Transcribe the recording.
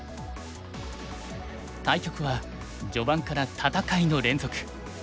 対局は序盤から戦いの連続。